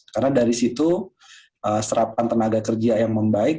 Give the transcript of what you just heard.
karena dari situ serapan tenaga kerja yang membaik